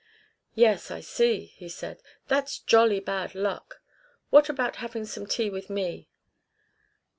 "Yes, I see," he said. "That's jolly bad luck. What about having some tea with me?"